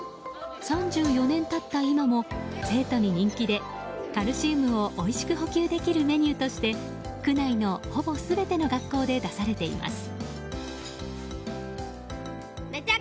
３４年経った今も生徒に人気でカルシウムをおいしく補給できるメニューとして区内のほぼ全ての学校で出されています。